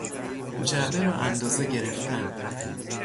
جعبه را اندازه گرفتن